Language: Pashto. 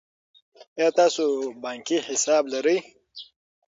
آیا تاسو بانکي حساب لرئ.